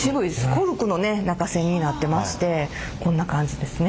コルクのね中栓になってましてこんな感じですね。